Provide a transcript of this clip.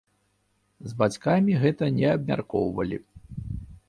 З бацькамі гэта не абмяркоўвалі.